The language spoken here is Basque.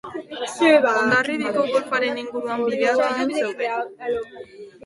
Hondarribiko golfaren inguruan bideak ilun zeuden.